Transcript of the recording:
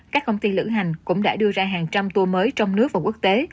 các công ty lãnh hoạt cũng đã đưa ra hàng trăm tua mới trong nước và quốc tế